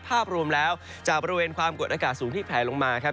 ภาพรวมแล้วจากบริเวณความกดอากาศสูงที่แผลลงมาครับ